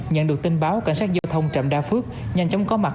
nhận được tin báo cảnh sát giao thông trạm đa phước nhanh chóng có mặt